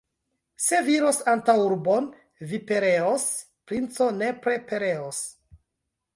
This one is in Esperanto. Se vi iros antaŭurbon, vi pereos, princo, nepre pereos!